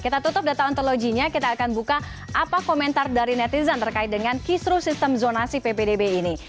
kita tutup data ontologinya kita akan buka apa komentar dari netizen terkait dengan kisru sistem zonasi ppdb ini